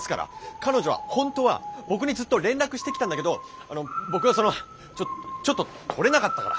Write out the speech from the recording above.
彼女は本当は僕にずっと連絡してきたんだけど僕がそのちょっと取れなかったから！